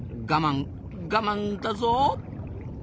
我慢我慢だぞ。